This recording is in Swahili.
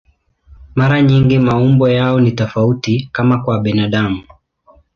Mara nyingi maumbo yao ni tofauti, kama kwa binadamu.